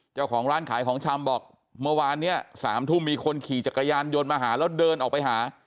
เจ้าของร้านขายของชำบอกเมื่อวานเนี่ย๓ทุ่มมีคนขี่จักรยานยนต์มาหาแล้วเดินออกไปหา